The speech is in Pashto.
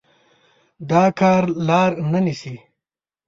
دا کار لار نه نيسي.